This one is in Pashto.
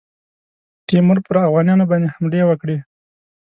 تیمور پر اوغانیانو باندي حملې وکړې.